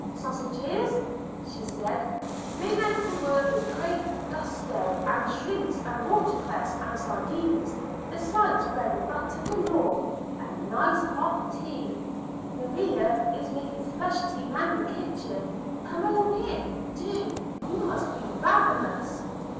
"Sausages," she said, bringing out the word with great gusto, "and shrimps, and water cress, and sardines, besides bread and butter galore, and nice hot tea. Maria is making fresh tea now in the kitchen. Come along in do; you must be ravenous."